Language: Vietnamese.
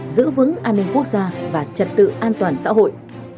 giữ vững an ninh quốc gia và trật tự an toàn xã hội